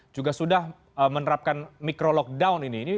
juga sudah menerapkan micro lockdown ini